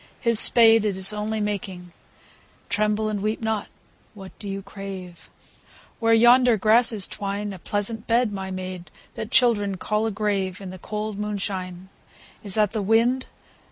His spade, it Is only making, — (Tremble and weep not I What do you crave ?) Where yonder grasses twine, A pleasant bed, my maid, that Children call a grave, In the cold moonshine. Is that the wind